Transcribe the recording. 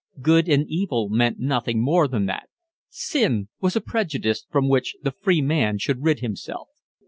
Good and evil meant nothing more than that. Sin was a prejudice from which the free man should rid himself.